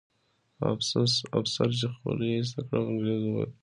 افسر چې خولۍ یې ایسته کړه، انګریزي وو.